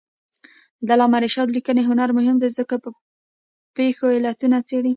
د علامه رشاد لیکنی هنر مهم دی ځکه چې پېښو علتونه څېړي.